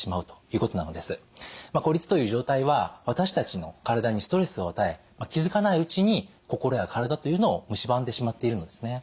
孤立という状態は私たちの体にストレスを与え気づかないうちに心や体というのをむしばんでしまっているのですね。